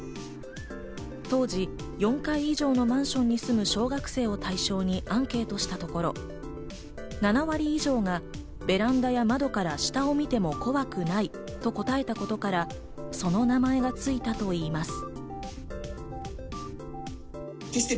当時、４階以上のマンションに住む小学生を対象にアンケートしたところ、７割以上がベランダや窓から下を見ても怖くないと答えたことから、その名前がついたといいます。